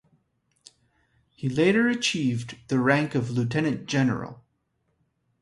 He later achieved the rank of lieutenant general.